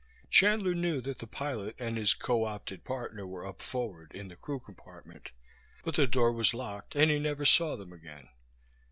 Chandler knew that the pilot and his coopted partner were up forward, in the crew compartment, but the door was locked and he never saw them again.